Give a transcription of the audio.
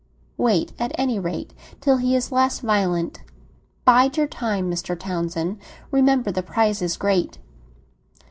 "Wait, at any rate, till he is less violent. Bide your time, Mr. Townsend; remember the prize is great!"